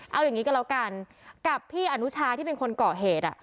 เอาอย่างนี้ก็แล้วกันกับพี่อนุชาที่เป็นคนเกาะเหตุ